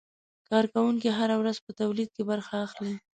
کارکوونکي هره ورځ په تولید کې برخه اخلي.